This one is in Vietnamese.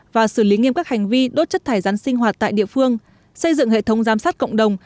và xử lý nghiêm các hành vi đốt chất thải rắn sinh hoạt tại địa phương xây dựng hệ thống giám sát cộng đồng